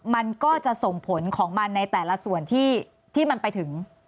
มันก็จะส่งผลของมันในแต่ละส่วนที่มันไปถึง